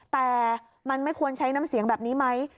แต่มันไม่ควรใช้น้ำเสียงแบบนี้ไหม